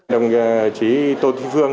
đồng chí tô thúy phương